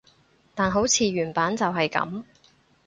但好似原版就係噉